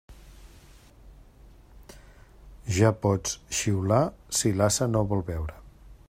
Ja pots xiular, si l'ase no vol beure.